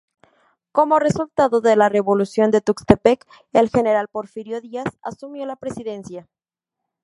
Como resultado de la Revolución de Tuxtepec, el general Porfirio Díaz asumió la presidencia.